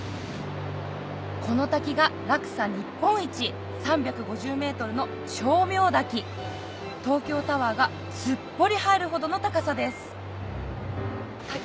この滝が落差日本一３５０ｍの東京タワーがすっぽり入るほどの高さです